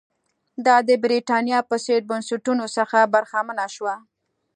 دا د برېټانیا په څېر بنسټونو څخه برخمنه شوه.